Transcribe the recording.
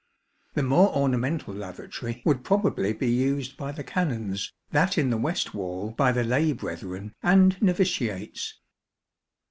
The more ornamental lavatory would probably be used by the Canons, that in the west wall by the lay brethren and novitiates.